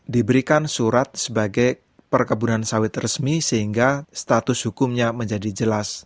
diberikan surat sebagai perkebunan sawit resmi sehingga status hukumnya menjadi jelas